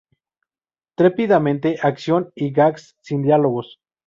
Trepidante acción y gags sin diálogos.